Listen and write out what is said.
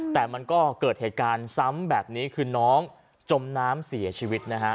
แต่มันก็เกิดเหตุการณ์ซ้ำแบบนี้คือน้องจมน้ำเสียชีวิตนะฮะ